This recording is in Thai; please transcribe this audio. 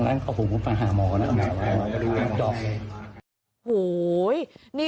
ล้านก็ผมขอเข้ามอแล้วนะ